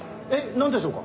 何でしょうか？